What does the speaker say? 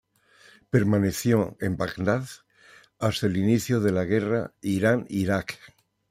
Permaneció en Bagdad hasta el inicio de la Guerra Irán-Irak.